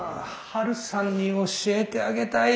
ハルさんに教えてあげたい！